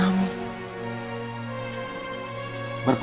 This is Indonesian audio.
aku akan menang